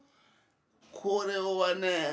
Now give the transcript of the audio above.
これはね。